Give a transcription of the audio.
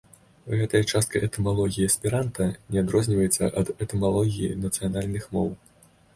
Гэтая частка этымалогіі эсперанта не адрозніваецца ад этымалогіі нацыянальных моў.